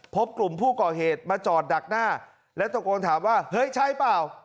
พบกลุ่มผู้ก่อเหตุมาจอดดักหน้าและตะโกนถามว่าเฮ้ยใช่เปล่า